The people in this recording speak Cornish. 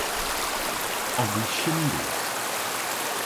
Ov vy shyndys?